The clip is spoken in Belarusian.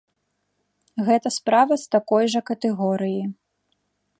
Гэта справа з такой жа катэгорыі.